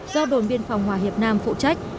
do đồn biên phòng hòa hiệp nam phụ trách